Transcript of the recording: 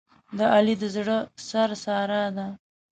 د علي د زړه سر ساره ده.